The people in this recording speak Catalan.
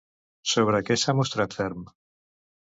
Sobre què s'ha mostrat ferm?